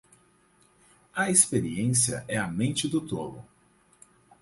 A experiência é a mente do tolo.